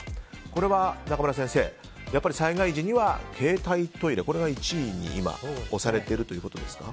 これは中村先生、災害時には携帯トイレが１位に推されてるということですか。